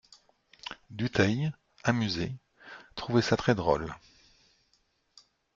Dutheil, amusé, trouvait ça très drôle.